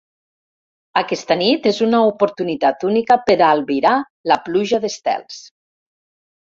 Aquesta nit és una oportunitat única per albirar la pluja d’estels.